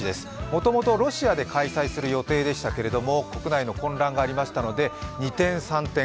もともとロシアで開催する予定でしたけれども国内の混乱がありましたので二転三転